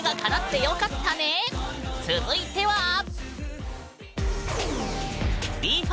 続いては！